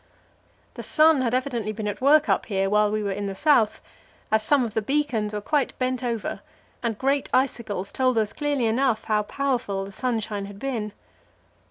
The sun had evidently been at work up here while we were in the south, as some of the beacons were quite bent over, and great icicles told us clearly enough how powerful the sunshine had been.